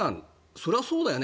そりゃそうだよね